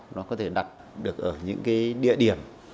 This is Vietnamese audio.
nó có thể đặt được ở những cái địa điểm